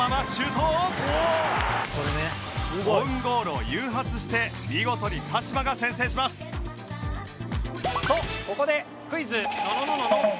オウンゴールを誘発して見事に鹿島が先制しますとここでクイズ。